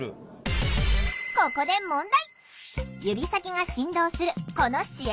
ここで問題！